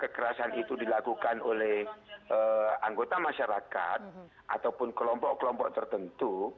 kekerasan itu dilakukan oleh anggota masyarakat ataupun kelompok kelompok tertentu